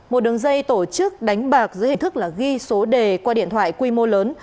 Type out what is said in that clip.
một đường dây tổ chức đánh bạc dưới hình thức là ghi số đề qua điện thoại quy mô lớn